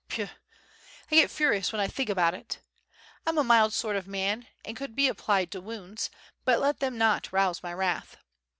Puh! I get furious when I think about it. 1 am a mild sort of a man and could be applied to wounds, but let them not rouse my wrath!